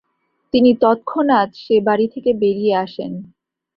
তিনি তৎক্ষনাৎ সে বাড়ি থেকে বেরিয়ে আসেন।